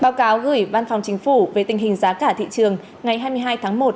báo cáo gửi văn phòng chính phủ về tình hình giá cả thị trường ngày hai mươi hai tháng một